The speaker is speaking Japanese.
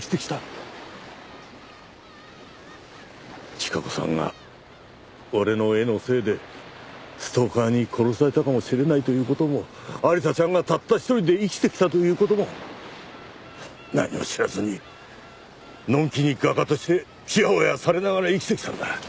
千加子さんが俺の絵のせいでストーカーに殺されたかもしれないという事も亜理紗ちゃんがたった１人で生きてきたという事も何も知らずにのんきに画家としてちやほやされながら生きてきたんだ。